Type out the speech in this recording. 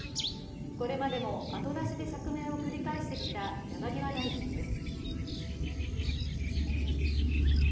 これまでも後出しで釈明を繰り返してきた山際大臣です。